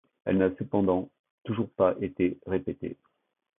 Elle n'a cependant toujours pas été répétée.